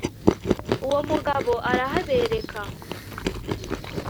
uwo mugabo arahabereka